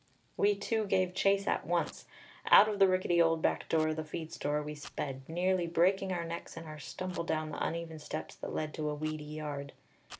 We two gave chase at once; out of the rickety old back door of the feed store we sped, nearly breaking our necks in our stumble down the uneven steps that led to a weedy yard.